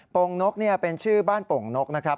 ่งนกเป็นชื่อบ้านโป่งนกนะครับ